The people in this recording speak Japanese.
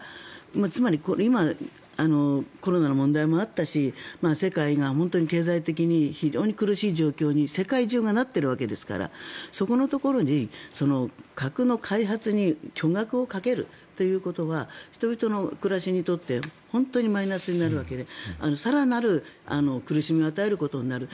今、コロナの問題もあったし世界が経済的に非常に苦しい状況に世界中がなってるわけですからそこのところに核の開発に巨額をかけるということは人々の暮らしにとって本当にマイナスになるわけで更なる苦しみを与えることになる。